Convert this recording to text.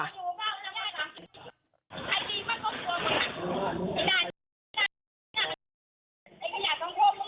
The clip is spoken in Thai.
ละลอง